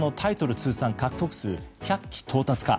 通算獲得数１００期到達か。